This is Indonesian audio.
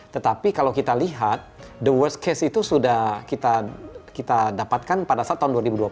tetapi kalau kita lihat the worst case itu sudah kita dapatkan pada saat tahun dua ribu dua puluh